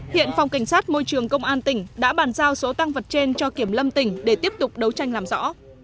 hiện phòng cảnh sát môi trường công an tỉnh đã bàn giao số tăng vật trên cho kiểm lâm tỉnh để tiếp tục đấu tranh làm rõ